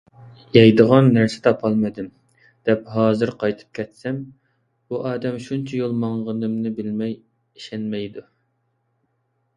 يەيدىغان نەرسە تاپالمىدىم، دەپ ھازىر قايتىپ كەتسەم، بۇ ئادەم شۇنچە يول ماڭغىنىمنى بىلمەي ئىشەنمەيدۇ.